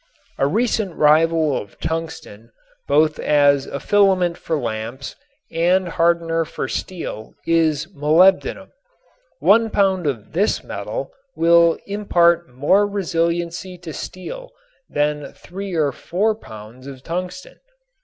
A recent rival of tungsten both as a filament for lamps and hardener for steel is molybdenum. One pound of this metal will impart more resiliency to steel than three or four pounds of tungsten.